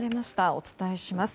お伝えします。